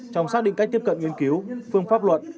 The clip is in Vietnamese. trong xác định cách tiếp cận nghiên cứu phương pháp luận